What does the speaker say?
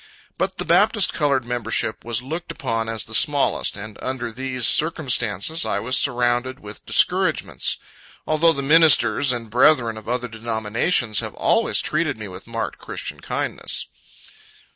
But the Baptist colored membership was looked upon as the smallest; and under these circumstances, I was surrounded with discouragements; although the ministers and brethren of other denominations have always treated me with marked christian kindness.